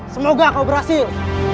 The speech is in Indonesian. semoga kau berhasil